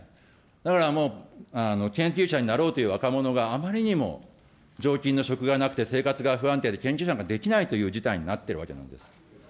だからもう、研究者になろうという若者があまりにも常勤の職がなくて、生活が不安定で研究なんかできないっていう事態になっているわけなんです。